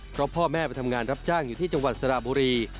เพราะพ่อแม่ไปทำงานรับจ้างอยู่ที่จังหวัดสระบุรี